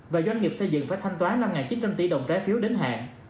và doanh nghiệp xây dựng phải thanh toán năm chín trăm linh tỷ đồng trái phiếu đến hạn